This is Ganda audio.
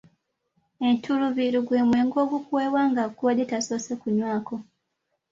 Entulubiru gwe mwenge ogukuweebwa nga agukuwadde tasoose kunywako.